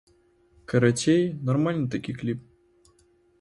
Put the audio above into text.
Карацей, нармальны такі кліп.